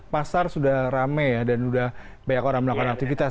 pasar sudah rame ya dan sudah banyak orang melakukan aktivitas